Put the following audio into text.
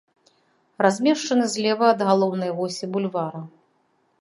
Размешчаны злева ад галоўнай восі бульвара.